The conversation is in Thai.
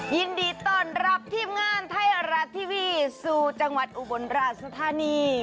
ยินดีต้อนรับทีมงานไทยรัฐทีวีสู่จังหวัดอุบลราชธานี